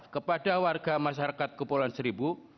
kepada warga masyarakat kepulauan seribu